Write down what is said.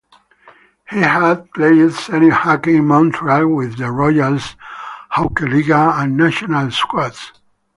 He had played senior hockey in Montreal with the Royals, Hochelega and Nationale squads.